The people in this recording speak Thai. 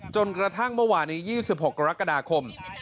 จนกระทั่งเมื่อวานนี้๒๖กรกฎาคม